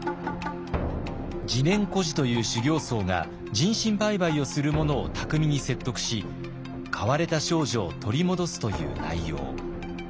自然居士という修行僧が人身売買をする者を巧みに説得し買われた少女を取り戻すという内容。